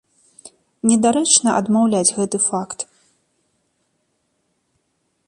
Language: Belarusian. Недарэчна адмаўляць гэты факт.